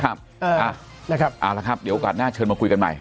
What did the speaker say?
เอานะครับเอาละครับเดี๋ยวโอกาสหน้าเชิญมาคุยกันใหม่